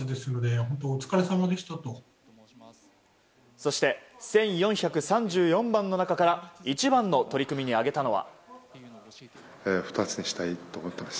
そして、１４３４番の中から１番の取組に挙げたのは。